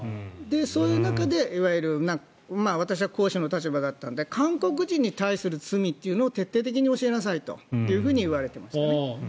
そういう中で、いわゆる私は講師の立場だったので韓国人に対する罪というのを徹底的に教えなさいと言われていましたね。